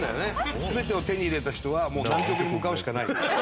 全てを手に入れた人はもう南極に向かうしかない。